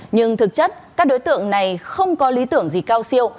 nhưng thực chất các đối tượng này không có lý tưởng gì cao siêu